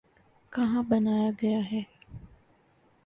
یہ کہاں بنایا گیا ہے؟